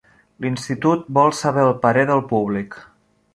L'institut vol saber el parer del públic.